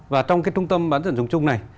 và trong trung tâm bán dẫn dùng chung này